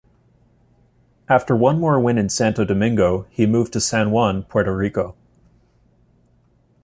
After one more win in Santo Domingo, he moved to San Juan, Puerto Rico.